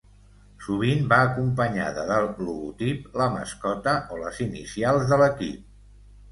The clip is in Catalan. Sovint va acompanyada del logotip, la mascota, o les inicials de l'equip.